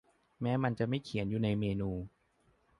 แม้มันจะไม่เขียนอยู่ในเมนู